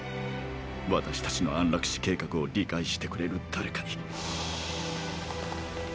私たちの「安楽死計画」を理解してくれる誰かに。